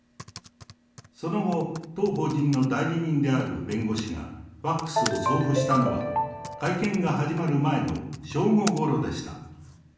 その後、当法人の代理人である弁護士がファックスを送付したのは、会見が始まる前の正午ごろでした。